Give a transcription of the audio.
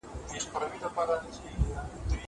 دا مينه له هغه ښکلي ده!